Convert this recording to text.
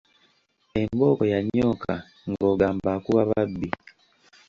Embooko yanyooka ng’ogamba akuba babbi.